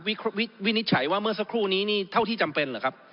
ท่านประธานวินิจฉัยว่าเมื่อสักครู่นี้เท่าที่จำเป็นเหรอครับ